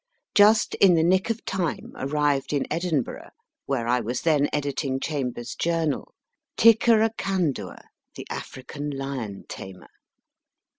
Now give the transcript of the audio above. Just in the nick of time arrived in Edinburgh, where I was then editing Chambers^ Journal, Tickeracandua, the African Lion Tamer.